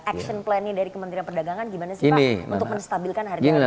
action plannya dari kementerian perdagangan gimana sih pak untuk menstabilkan harga bahan pangan